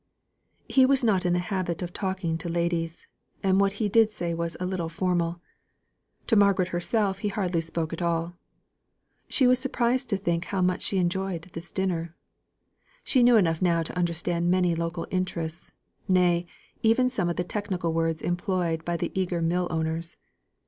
He was not in the habit of talking to ladies; and what he did say was a little formal. To Margaret herself he hardly spoke at all. She was surprised to think how much she enjoyed this dinner. She knew enough now to understand many local interests nay, even some of the technical words employed by the eager millowners.